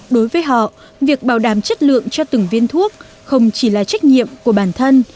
đối với họ việc bảo đảm chất lượng cho từng viên thuốc không chỉ là trách nhiệm của bản thân